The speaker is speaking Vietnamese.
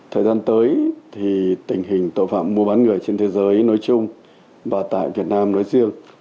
thời gian tới thì tình hình tội phạm mua bán người trên thế giới nói chung và tại việt nam nói riêng